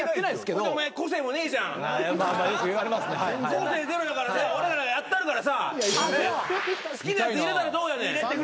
個性ゼロだから俺らがやったるからさ好きなやつ入れたらどうやねん。